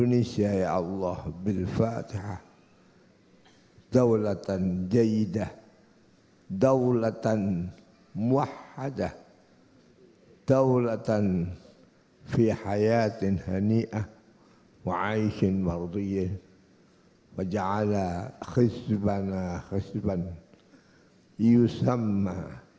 muah hadah tawratan fi hayatin hane'ah wa aikin wa ghi'in wa ja'ala khisban khisban yusamma